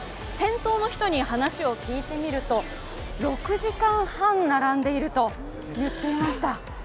先頭の人に話を聞いてみると、６時間半並んでいると言っていました。